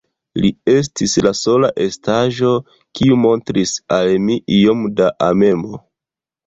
Li estis la sola estaĵo, kiu montris al mi iom da amemo.